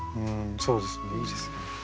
そうですねいいですね。